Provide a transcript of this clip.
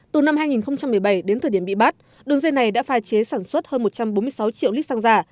từ năm hai nghìn một mươi bảy đến thời điểm bị bắt đường dây này đã phai chế sản xuất hơn một trăm bốn mươi sáu triệu lít xăng giả